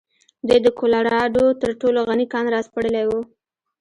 دوی د کولراډو تر ټولو غني کان راسپړلی و.